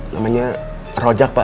namanya rojak pak